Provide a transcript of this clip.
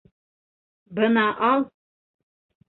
Бына ал.